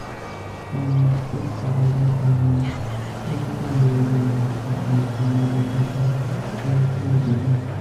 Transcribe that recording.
San Marcos alberga aún una comunidad dominica, habitando los monjes el claustro interno.